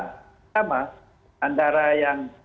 pertama antara yang